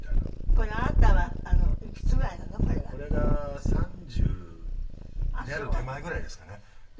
これが３０になる手前ぐらいですかね。